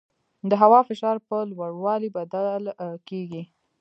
د هوا فشار په لوړوالي بدل کېږي.